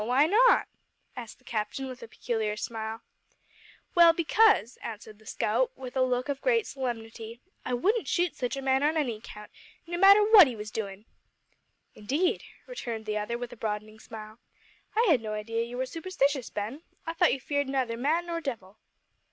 why not?" asked the captain with a peculiar smile. "Well, because," answered the scout, with a look of great solemnity, "I wouldn't shoot such a man on any account no matter what he was doin'!" "Indeed!" returned the other with a broadening smile. "I had no idea you were superstitious, Ben. I thought you feared neither man nor devil."